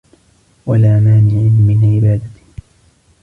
وَلَا مَانِعٍ مِنْ عِبَادَةٍ